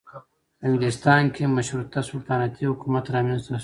په انګلستان کې مشروطه سلطنتي حکومت رامنځته شو.